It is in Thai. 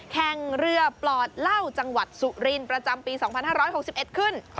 แข่งเรือปลอดเหล้าจังหวัดสุรินทร์ประจำปี๒๕๖๑ขึ้น